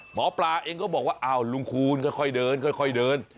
หมอปลาเองก็บอกว่าอ้าวลุงคูณค่อยเดิน